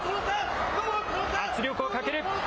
圧力をかける。